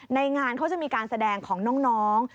ในงานเขาจะมีการแสดงของน้อง